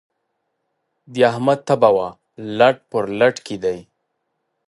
د احمد تبه وه؛ لټ پر لټ کېدی.